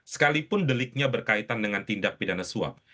sekalipun deliknya berkaitan dengan tindak pidana suap